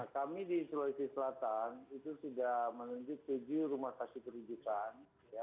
kami di sulawesi selatan itu sudah menunjuk keju rumah kasih kerugikan